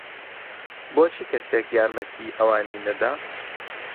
بۆچی کەسێک یارمەتیی ئەوانی نەدا؟